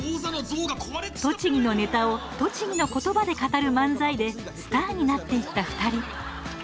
栃木のネタを栃木の言葉で語る漫才でスターになっていった２人。